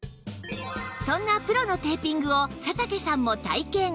そんなプロのテーピングを佐竹さんも体験